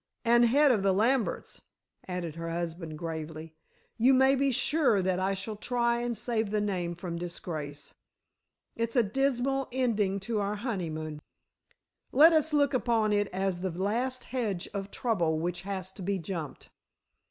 "And the head of the Lamberts," added her husband gravely. "You may be sure that I shall try and save the name from disgrace." "It's a dismal ending to our honeymoon." "Let us look upon it as the last hedge of trouble which has to be jumped."